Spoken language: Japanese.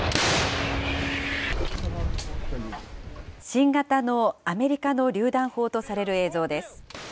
新型のアメリカのりゅう弾砲とされる映像です。